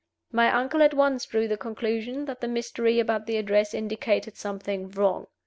My uncle at once drew the conclusion that the mystery about the address indicated something wrong.